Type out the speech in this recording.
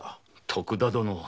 徳田殿。